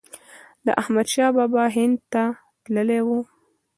احمد شاه بابا هند ته تللی و.